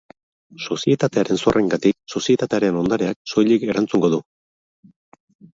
Sozietatearen zorrengatik sozietatearen ondareak soilik erantzungo du.